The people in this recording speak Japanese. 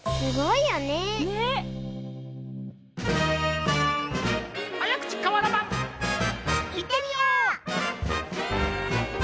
いってみよう！